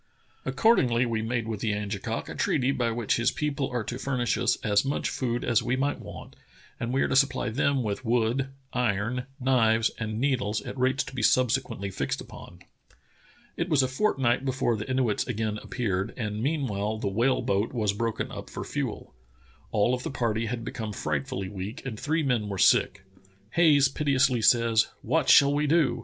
Accord ingly we made with the Angekok a treaty by which his people are to furnish as much food as we might want, and we are to supply them with wood, iron, knives, and needles at rates to be subsequently fixed upon." It was a fortnight before the Inuits again appeared, and meanwhile the whale boat was broken up for fuel. All of the party had become frightfully weak and three men v/ere sick. Haj^es piteously says: "What shall we do?